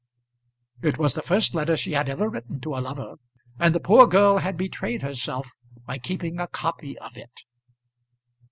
It was the first letter she had ever written to a lover, and the poor girl had betrayed herself by keeping a copy of it.